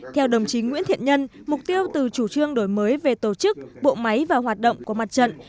theo đồng chí nguyễn thiện nhân mục tiêu từ chủ trương đổi mới về tổ chức bộ máy và hoạt động của mặt trận